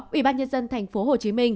ủy ban nhân dân tp hcm